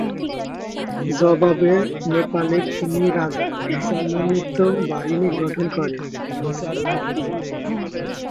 জবাবে নেপালের তিন রাজা সম্মিলিত বাহিনী গঠন করে।